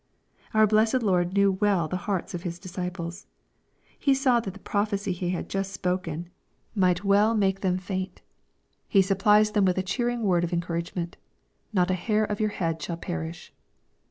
Our blessed Lor< knew well the hearts of His disciples. He saw tl the prophicy He had just spoken might well make tl // 364 EXPOSITORY THOUGHTS. faint. He supplies them with a cheenngword of encour ageraent, —" Not a hair of your head shall perish."